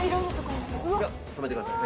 止めてください。